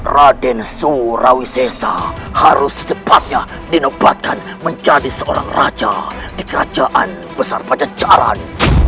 raden surawisesa harus cepatnya dinobatkan menjadi seorang raja di kerajaan besar pajajaran